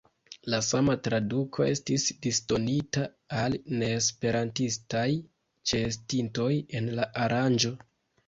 La sama traduko estis disdonita al neesperantistaj ĉeestintoj en la aranĝo.